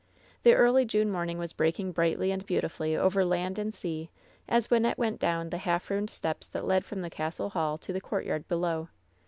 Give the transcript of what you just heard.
The early June morning was breaking brightly and beautifully over land and sea as Wynnette went down the half ruined steps that led from the castle hall to the courtyard below.